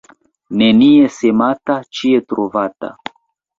Nenie semata, ĉie trovata.